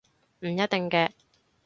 唔一定嘅